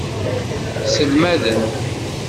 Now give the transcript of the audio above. Sselmaden.